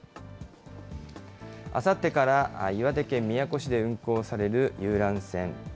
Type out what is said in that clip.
あさってから岩手県宮古市で運航される遊覧船。